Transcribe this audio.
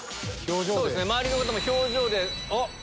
周りの方も表情で。